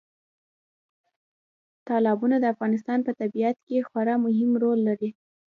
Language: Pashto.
تالابونه د افغانستان په طبیعت کې خورا مهم رول لري.